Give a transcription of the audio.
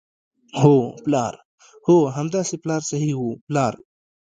هو، پلار، هو همداسې پلار صحیح وو، پلار.